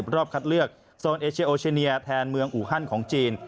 รอบคัดเลือกโซนเอเชียโอเชเนียแทนเมืองอูฮันของจีน